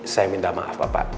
saya minta maaf bapak